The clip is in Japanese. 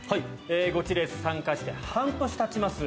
ゴチレース参加して半年たちます